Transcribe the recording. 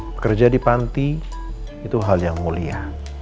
bekerja di panti itu hal yang mulia